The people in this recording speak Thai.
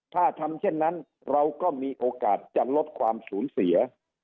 ถ้าทำเช่นนั้นเราก็มีโอกาสจะลดความสูญเสีย